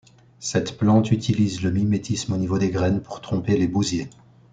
Cette plante utilise le mimétisme au niveau des graines pour tromper les bousiers.